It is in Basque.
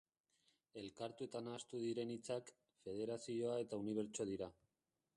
Elkartu eta nahastu diren hitzak, federazioa eta unibertso dira.